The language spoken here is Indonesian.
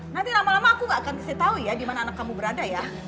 nanti lama lama aku gak akan kasih tau ya di mana anak kamu berada ya